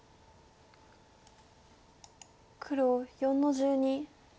黒４の十二。